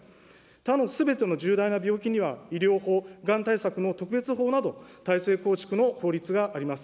他のすべての重大な病気には医療法、がん対策の特別法など、体制構築の法律があります。